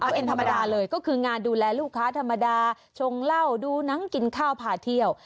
เอาเป็นธรรมดาเลยก็คืองานดูแลลูกค้าธรรมดาชงเหล้าดูหนังกินข้าวพาเที่ยว